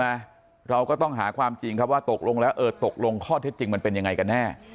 นะเราก็ต้องหาความจริงครับว่าตกลงแล้วเออตกลงข้อเท็จจริงมันเป็นยังไงกันแน่